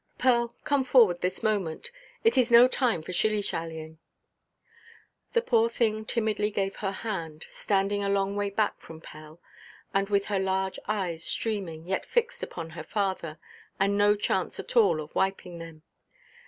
"Pearl, come forward this moment. It is no time for shilly–shallying." The poor thing timidly gave her hand, standing a long way back from Pell, and with her large eyes streaming, yet fixed upon her father, and no chance at all of wiping them.